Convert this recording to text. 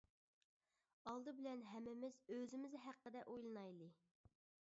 ئالدى بىلەن ھەممىمىز ئۆزىمىز ھەققىدە ئويلىنايلى!